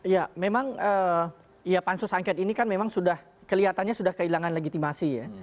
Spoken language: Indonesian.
ya memang ya pansus angket ini kan memang sudah kelihatannya sudah kehilangan legitimasi ya